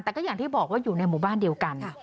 แต่ก็อย่างที่บอกว่าอยู่ในหมู่บ้านเดียวกัน